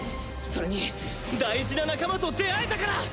それに大事な仲間と出会えたから！